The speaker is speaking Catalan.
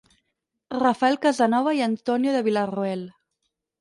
Rafael Casanova i Antonio de Villarroel.